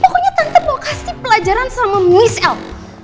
pokoknya tante mau kasih pelajaran sama miss out